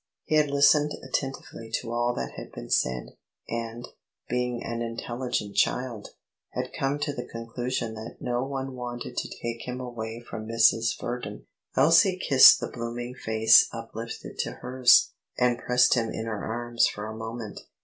He had listened attentively to all that had been said, and, being an intelligent child, had come to the conclusion that no one wanted to take him away from Mrs. Verdon. Elsie kissed the blooming face uplifted to hers, and pressed him in her arms for a moment.